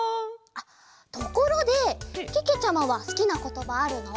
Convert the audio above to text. ところでけけちゃまはすきなことばあるの？